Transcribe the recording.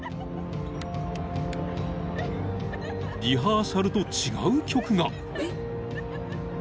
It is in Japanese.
［リハーサルと違う曲が］